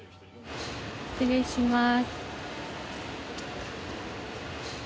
失礼します。